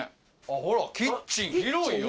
ほらキッチン広いよ。